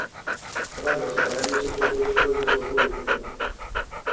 A banda separaríase pouco despois da súa publicación.